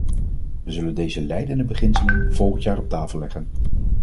We zullen deze leidende beginselen volgend jaar op tafel leggen.